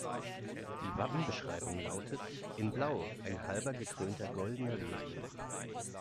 Die Wappenbeschreibung lautet: „In Blau, ein halber gekrönter goldener Löwe.